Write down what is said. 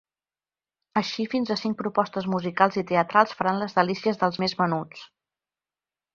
Així, fins a cinc propostes musicals i teatrals faran les delícies dels més menuts.